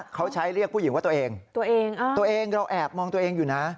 เขาใช้เรียกผู้หญิงว่าตัวเองตัวเองเราแอบมองตัวเองอยู่นะ